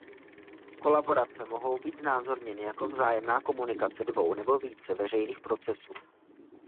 Kolaborace mohou být znázorněny jako vzájemná komunikace dvou nebo více veřejných procesů.